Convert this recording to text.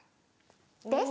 です。